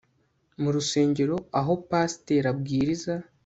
Mu rusengero aho pasiteri abwiriza